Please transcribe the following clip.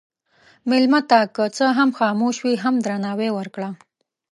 مېلمه ته که څه هم خاموش وي، هم درناوی ورکړه.